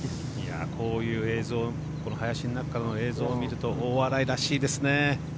こういう映像この林の中の映像を見ると大洗らしいですね。